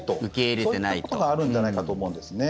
そういうところがあるんじゃないかと思うんですね。